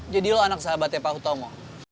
jadi lo anak sahabatnya pak utomo